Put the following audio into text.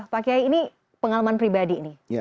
pak kiai ini pengalaman pribadi nih